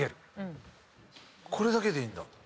これだけでいいんだ。